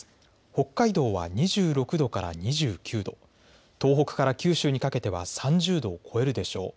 北海道は２６度から２９度、東北から九州にかけては３０度を超えるでしょう。